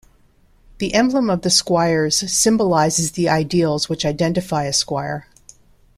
The emblem of the Squires symbolizes the ideals which identify a squire.